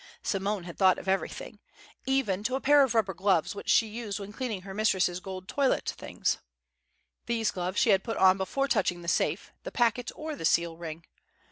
Simone had thought of everything even to a pair of rubber gloves which she used when cleaning her mistress's gold toilet things. These gloves she had put on before touching the safe, the packet, or the seal ring.